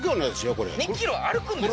これ２ｋｍ歩くんですか？